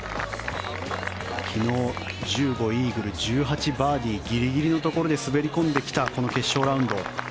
昨日、１５、イーグル１８、バーディーギリギリのところで滑り込んできたこの決勝ラウンド。